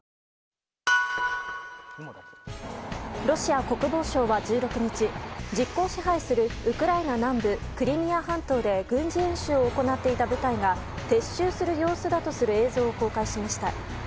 ロシア国防省は、１６日実効支配するウクライナ南部クリミア半島で軍事演習を行っていた部隊が撤収する様子だとする映像を公開しました。